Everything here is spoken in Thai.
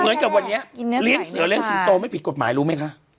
เหมือนกับวันนี้เลี้ยงเสือเลี้ยสิงโตไม่ผิดกฎหมายรู้ไหมคะ